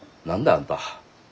あんた。